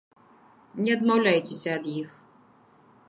Не адмаўляйцеся ад іх!